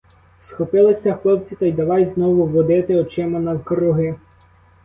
Схопилися хлопці та й давай знову водити очима навкруги.